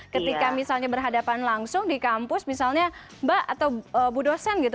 ketika misalnya berhadapan langsung di kampus misalnya mbak atau bu dosen gitu